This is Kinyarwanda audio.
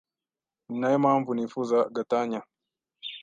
ninayo mpamvu nifuza gatanya